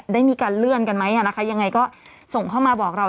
ได้มีการเลื่อนกันไหมนะคะยังไงก็ส่งเข้ามาบอกเรา